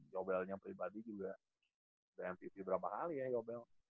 yobelnya pribadi juga mpc berapa kali ya yobel